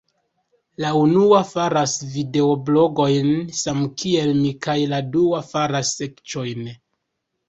La unua faras videoblogojn samkiel mi kaj la dua faras sekĉojn